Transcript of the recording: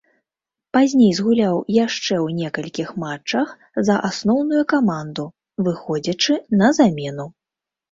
Пазней згуляў яшчэ ў некалькіх матчах за асноўную каманду, выходзячы на замену.